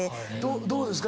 どうですか？